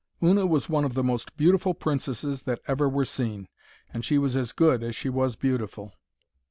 Una was one of the most beautiful princesses that ever were seen, and she was as good as she was beautiful.